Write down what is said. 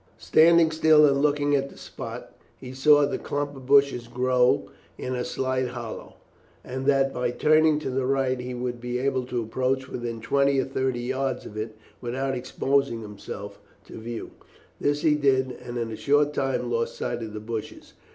Standing still and looking at the spot, he saw that the clump of bushes grew in a slight hollow, and that by turning to the right he would be able to approach within twenty or thirty yards of it without exposing himself to view. This he did, and in a short time lost sight of the bushes.